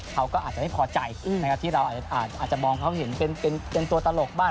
เขาก็อาจจะไม่พอใจนะครับที่เราอาจจะมองเขาเห็นเป็นตัวตลกบ้าง